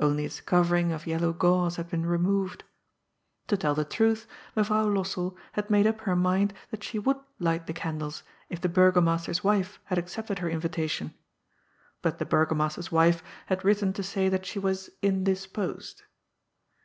Only its cover ing of yellow gauze had been removed. To tell the truth, Mevrouw Lossell had made up her mind that she would light the candles if the Burgomaster's wife had accepted her invitation. But the Burgomaster's wife had written to say that she was indisposed.